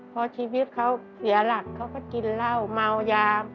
พอชีวิตเขาเสียหลักเขาก็กินเหล้าเมายา